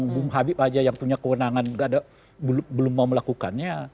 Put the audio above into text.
bung habib aja yang punya kewenangan belum mau melakukannya